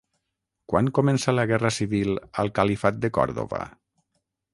Quan començà la guerra civil al califat de Còrdova?